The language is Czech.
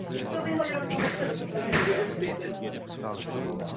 Tyto aplikace jsou již zrušeny a nebo je Google nepodporuje.